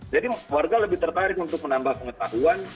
jadi warga lebih tertarik untuk menambah pengetahuan